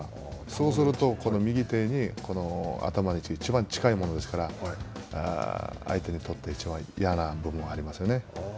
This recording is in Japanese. そうすると、この右手に頭の位置がいちばん近いものですから相手にとっていちばん嫌な部分がありますよね。